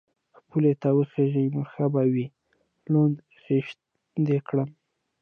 _که پولې ته وخېژې نو ښه به وي، لوند خيشت دې کړم.